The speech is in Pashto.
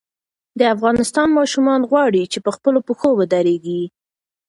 د افغانستان ماشومان غواړي چې په خپلو پښو ودرېږي.